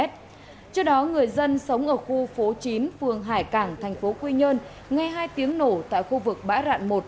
trước đó người dân sống ở khu phố chín phường hải cảng thành phố quy nhơn nghe hai tiếng nổ tại khu vực bãi rạn một